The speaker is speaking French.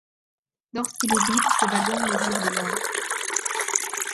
Lorsqu'il est vide, ce wagon mesure de long.